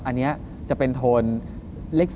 อันนี้จะเป็นโทนเลข๔นะครับ